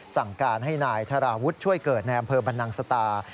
สั่งการให้นายธาราวุฒิช่วยเกิดในอำเภอบรรนังสตา